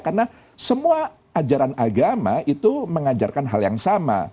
karena semua ajaran agama itu mengajarkan hal yang sama